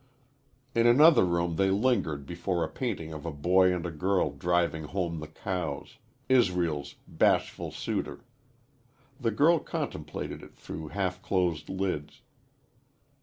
In another room they lingered before a painting of a boy and a girl driving home the cows Israel's "Bashful Suitor." The girl contemplated it through half closed lids.